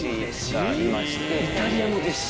イタリアの弟子。